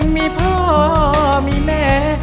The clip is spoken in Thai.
มีพ่อมีแม่